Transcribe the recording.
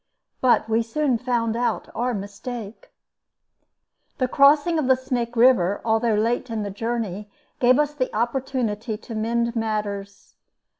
But we soon found out our mistake. The crossing of the Snake River, although late in the journey, gave us the opportunity to mend matters.